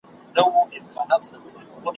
د خان کشري لور ژړل ویل یې پلاره ,